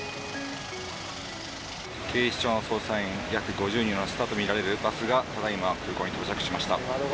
警視庁の捜査員約５０人を乗せたと見られるバスがただいま空港に到着しました。